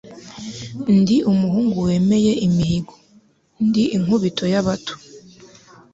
Ndi umuhungu wemeye imihigo. Ndi inkubito y'abato